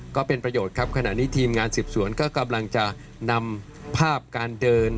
ก็เป็นประโยชน์ครับขณะนี้ทีมงานสืบสวนก็กำลังจะนำภาพการเดิน